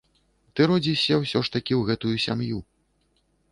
Ты родзішся ўсё ж такі ў гэтую сям'ю.